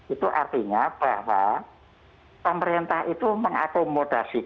itu artinya bahwa pemerintah itu mengakomodasikan keinginan masyarakat spsb